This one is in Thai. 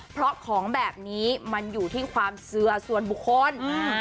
เพราะของแบบนี้มันอยู่ที่ความเสื่อส่วนบุคคล